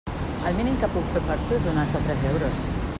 El mínim que puc fer per tu és donar-te tres euros.